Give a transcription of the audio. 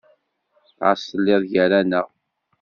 Ɣas telliḍ gar-aneɣ.